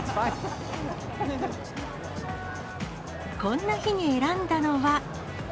こんな日に選んだのは。